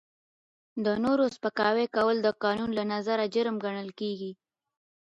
د نورو سپکاوی کول د قانون له نظره جرم ګڼل کیږي.